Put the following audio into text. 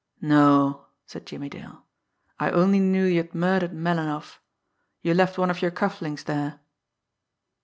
"No," said Jimmie Dale. "I only knew you had murdered Melinoff. You left one of your cuff links there."